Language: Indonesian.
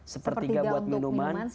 sepertiga buat minuman